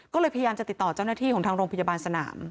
ก็เลยพยายามจะติดต่อเจ้าหน้าที่ของทางโรงพยาบาลสนาม